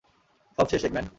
সব শেষ, এগম্যান।